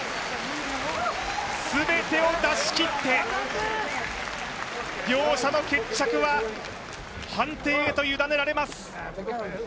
全てを出しきって両者の決着は判定へと委ねられます。